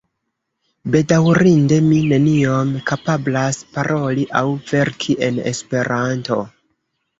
Bedaŭrinde mi neniom kapablas paroli aŭ verki en Esperanto.